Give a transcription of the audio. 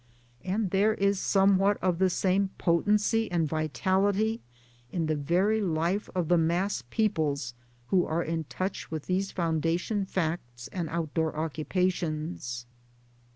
And there is somewhat of the same potency and vitality in the very life of the mass peoples who are in touch with 1 these founda tion facts and outdoor occupations.